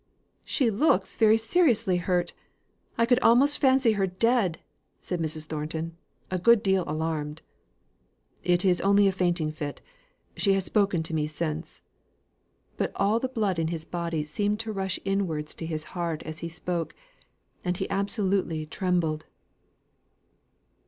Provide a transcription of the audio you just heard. "She looks very seriously hurt, I could almost fancy her dead," said Mrs. Thornton, a good deal alarmed. "It is only a fainting fit. She has spoken to me since." But all the blood in his body seemed to rush inwards to his heart as he spoke, and he absolutely trembled.